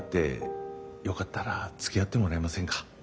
よかったらつきあってもらえませんか？